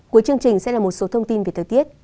cuối chương trình sẽ là một số thông tin về thời tiết